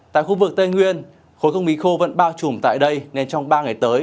tại khu vực tây nguyên khối không khí khô vẫn bao trùm tại đây nên trong ba ngày tới